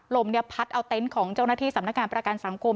ลมพัดเอาเต็นต์ของเจ้าหน้าที่สำนักงานประกันสังคม